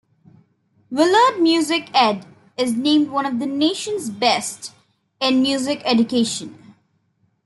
Willard Music ed is named one of the nation's best in music education.